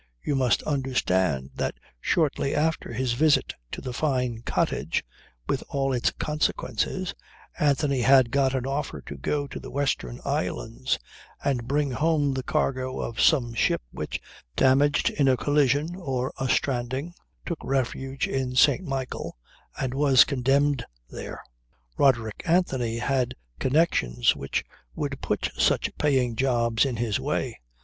You must understand that shortly after his visit to the Fyne cottage (with all its consequences), Anthony had got an offer to go to the Western Islands, and bring home the cargo of some ship which, damaged in a collision or a stranding, took refuge in St. Michael, and was condemned there. Roderick Anthony had connections which would put such paying jobs in his way.